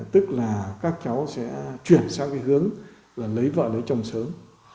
tức là các cháu sẽ chuyển sang cái hướng là lấy vợ lấy chồng sớm